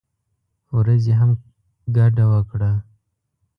ورځې هم ګډه وکړه.